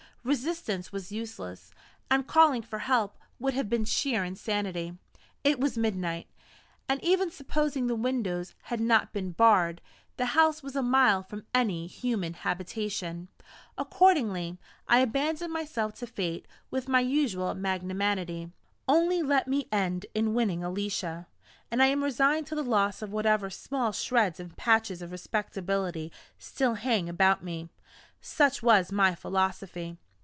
Resistance was useless, and calling for help would have been sheer insanity. It was midnight; and, even supposing the windows had not been barred, the house was a mile from any human habitation. Accordingly, I abandoned myself to fate with my usual magnanimity. Only let me end in winning Alicia, and I am resigned to the loss of whatever small shreds and patches of respectability still hang about me such was my philosophy.